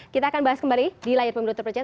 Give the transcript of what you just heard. kita akan bahas kembali di layar pemilu terpercaya